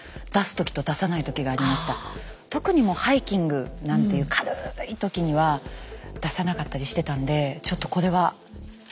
特にハイキングなんていう軽い時には出さなかったりしてたんでちょっとこれはハッとしました。